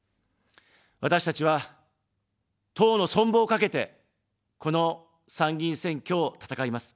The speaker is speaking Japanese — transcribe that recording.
私たちは、党の存亡を懸けて、この参議院選挙を戦います。